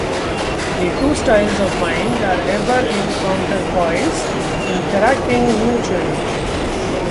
The two styles of mind are ever in counterpoise, interacting mutually.